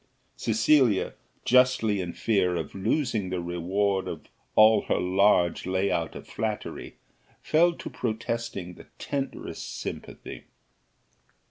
Cecilia, justly in fear of losing the reward of all her large lay out of flattery, fell to protesting the tenderest sympathy.